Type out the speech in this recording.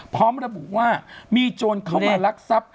พร้อมระบุว่ามีโจรเข้ามารักทรัพย์